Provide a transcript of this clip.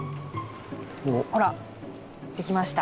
ほらできました。